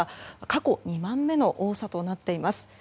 過去２番目の多さとなっています。